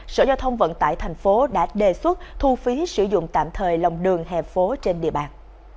sở giao thông vận tải thành phố đã đề xuất thu phí sử dụng tạm thời lòng đường hẹp phố trên địa bàn